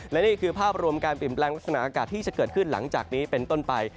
และนี่คือภาพรวมการเปลี่ยนแปลงลักษณะอากาศที่จะเกิดขึ้นหลังจากนี้เป็นต้นไป